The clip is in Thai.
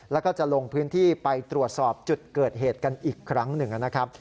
แล้วก็จะลงพื้นที่ไปตรวจสอบจุดเกิดเหตุกันอีกครั้งหนึ่งนะครับ